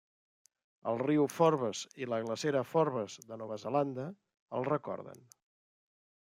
El Riu Forbes i la glacera Forbes de Nova Zelanda, el recorden.